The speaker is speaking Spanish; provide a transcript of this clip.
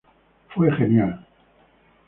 Fue genial.